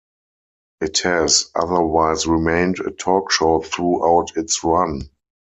It has otherwise remained a talk show throughout its run.